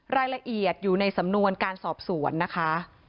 รายละเอียดอยู่ในสำนวนการสอบสวนนะคะ